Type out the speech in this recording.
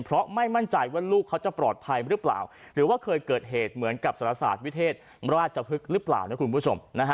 เพราะไม่มั่นใจว่าลูกเขาจะปลอดภัยหรือเปล่าหรือว่าเคยเกิดเหตุเหมือนกับสารศาสตร์วิเทศราชพฤกษ์หรือเปล่านะคุณผู้ชม